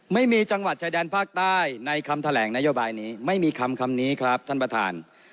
ไม่มีจังหวัดชายแดนภาคใต้ในคำแถลงนโยบายนี้ไม่มีคำคำนี้ครับท่านประธาน